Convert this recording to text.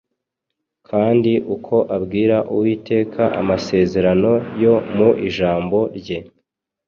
kandi uko abwira Uwiteka amasezerano yo mu ijambo rye